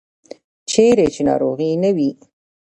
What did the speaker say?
چیرې چې ناروغي نه وي.